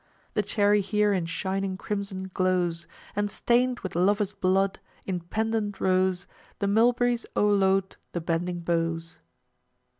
The cherry here in shining crimson glows, And stained with lovers' blood, in pendent rows, The mulberries o'erload the bending boughs."